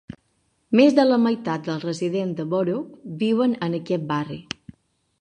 Més de la meitat dels residents de Borough viuen en aquest barri.